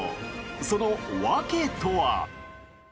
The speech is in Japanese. その訳とは？